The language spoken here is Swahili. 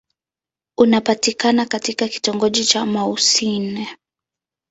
Unapatikana katika kitongoji cha Mouassine.